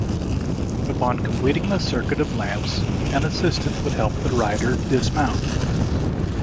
Upon completing the circuit of lamps, an assistant would help the rider dismount.